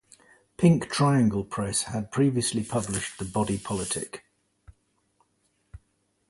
Pink Triangle Press had previously published "The Body Politic".